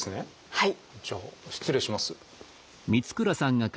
はい。